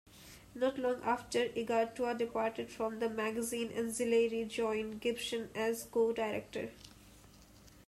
Not long after, Igartua departed from the magazine and Zileri joined Gibson as co-director.